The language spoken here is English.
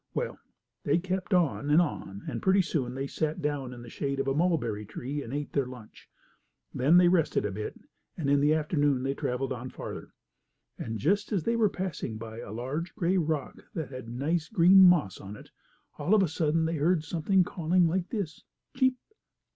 Well, they kept on and on, and pretty soon they sat down in the shade of a mulberry tree and ate their lunch. Then they rested a bit, and in the afternoon they traveled on farther. And, just as they were passing by a large, gray rock, that had nice, green moss on it, all of a sudden they heard something calling like this: "Cheep!